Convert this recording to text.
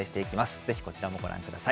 ぜひこちらもご覧ください。